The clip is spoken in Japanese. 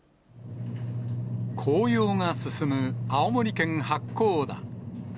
紅葉が進む青森県八甲田。